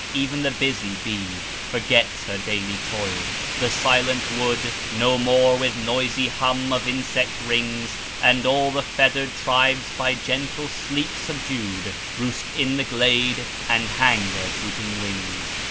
Even the busy bee Forgets her daily toil. The silent wood No more with noisy hum of insect rings; And all the feathered tribes, by gentle sleep subdued, Roost in the glade, and hang their drooping wings.